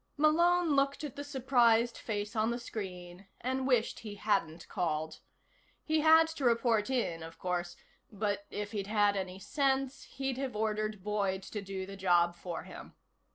Malone looked at the surprised face on the screen and wished he hadn't called. He had to report in, of course but, if he'd had any sense, he'd have ordered Boyd to do the job for him.